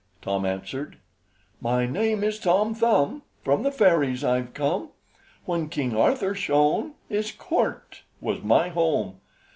Tom answered: "My name is Tom Thumb, From the fairies I've come. When King Arthur shone, His Court was my home.